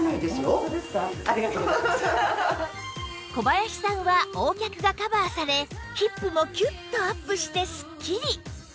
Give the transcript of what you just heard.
小林さんは Ｏ 脚がカバーされヒップもキュッとアップしてスッキリ！